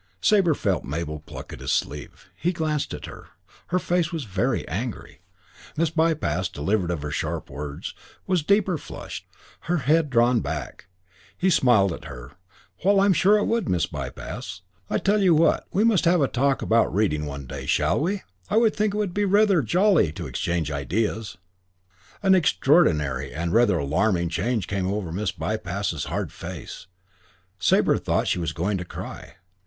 Sabre felt Mabel pluck at his sleeve. He glanced at her. Her face was very angry. Miss Bypass, delivered of her sharp words, was deeper flushed, her head drawn back. He smiled at her. "Why, I'm sure it would, Miss Bypass. I tell you what, we must have a talk about reading one day, shall we? I think it would be rather jolly to exchange ideas." An extraordinary and rather alarming change came over Miss Bypass's hard face. Sabre thought she was going to cry.